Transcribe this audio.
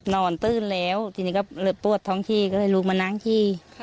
นอนตื้นแล้วจริงนี้ก็ปวดท้องชี้ก็เลยลุงมานั่งชี้